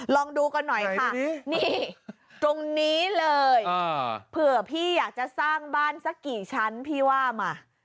ลองดูกันหน่อยค่ะนี่ตรงนี้เลยเผื่อพี่อยากจะสร้างบ้านสักกี่ชั้นพี่ว่ามา